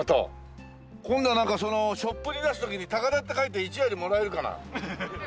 今度なんかそのショップに出す時に高田って書いて１割もらえるかな。